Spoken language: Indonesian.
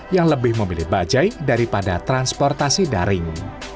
yang lebih memilih bajai daripada transportasi daring